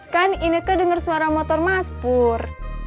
kan ineke denger suara motor mas pur